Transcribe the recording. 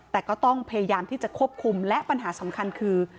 แต่ก็ต้องพยายามที่จะควบคุมและปัญหาสำคัญคือ